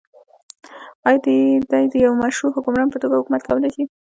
آیا دی د يوه مشروع حکمران په توګه حکومت کولای شي؟